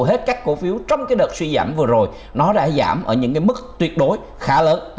hết các cổ phiếu trong cái đợt suy giảm vừa rồi nó đã giảm ở những cái mức tuyệt đối khá lớn